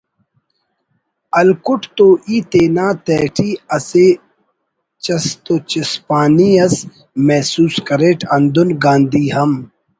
ہلکٹ تو ای تینا تہٹی اسہ چست و چسپانی اس محسوس کریٹ ہندن گاندھی ہم